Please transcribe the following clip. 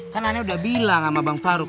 kan aneh udah bilang sama bang farouk